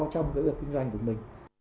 trong cái việc kinh doanh của mình